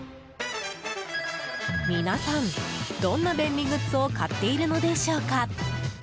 皆さん、どんな便利グッズを買っているのでしょうか。